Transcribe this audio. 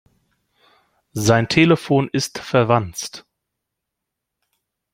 Sein Telefon ist verwanzt.